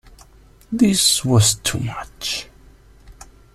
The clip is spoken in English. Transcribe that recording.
This was too much.